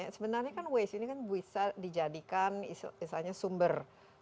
sebenarnya kan ways ini bisa dijadikan misalnya sumber